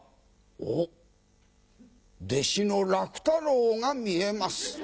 おっ、弟子の楽太郎が見えます。